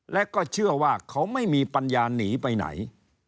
และก็เชื่อว่าเขาไม่มีปัญญาหนีไปไหน